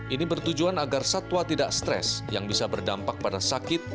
ini bertujuan agar satwa tidak stres yang bisa berdampak pada sakit